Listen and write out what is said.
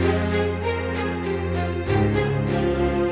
bok minum satu bong